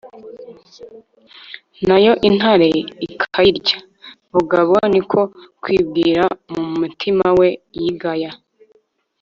na yo intare ikayirya. bugabo ni ko kwibwira mu mutima we yigaya